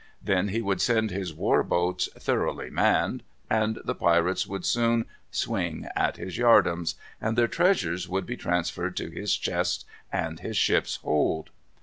Then he would send his war boats thoroughly manned, and the pirates would soon swing at his yard arms, and their treasures would be transferred to his chests and his ship's hold.